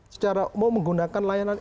secara mau menggunakan layanan